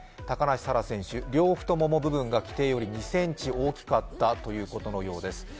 高梨沙羅選手、両太もも部分が規定より２ｃｍ大きかったということです。